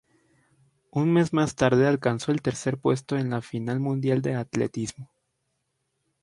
Un mes más tarde alcanzó el tercer puesto en la Final Mundial de Atletismo.